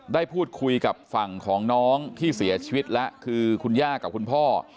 ได้พูดคุยกับฝั่งของน้องที่เสียชีวิตแล้วคือคุณย่ากับคุณพ่อ